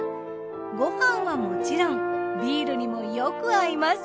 ご飯はもちろんビールにもよく合います。